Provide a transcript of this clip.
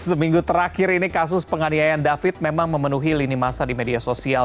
seminggu terakhir ini kasus penganiayaan david memang memenuhi lini masa di media sosial